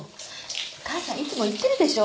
お母さんいつも言ってるでしょ。